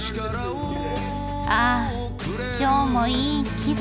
あ今日もいい気分。